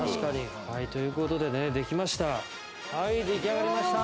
ということで、できました。